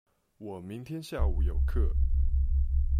我明天下午有課